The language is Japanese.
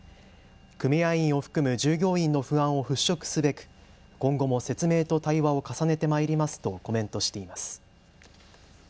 組合員を含む従業員の不安を払拭すべく今後も説明と対話を重ねてまいりますとコメントしています。